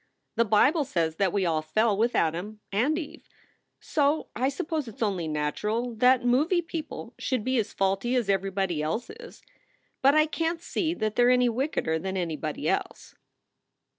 The Bible says that we all fell with Adam and Eve. So I suppose it s only natural that movie people should be as faulty as everybody else is. But I can t see that they re any wickeder than anybody else."